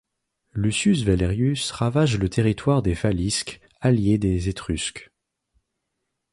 Lucius Valerius ravage le territoire des Falisques, alliés des Étrusques.